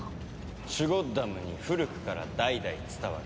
シュゴッダムに古くから代々伝わる王冠だ。